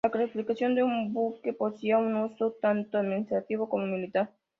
La clasificación de un buques poseía un uso tanto administrativo como militar.